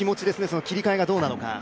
その切り替えがどうなのか？